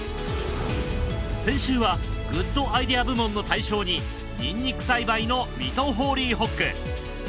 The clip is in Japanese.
先週はグッドアイデア部門の大賞にニンニク栽培の水戸ホーリーホック。